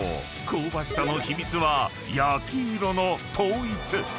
香ばしさの秘密は焼き色の統一］